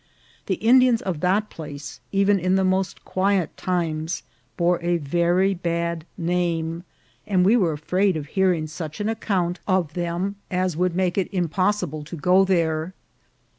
The Indians of that place, even in the most quiet times, bore a very bad name, and we were afraid of hearing such an account 166 INCIDENTS OF TRAVEL. <•£ them as would make it impossible to go there.